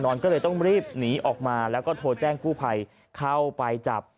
ก็เลยต้องรีบหนีออกมาแล้วก็โทรแจ้งกู้ภัยเข้าไปจับ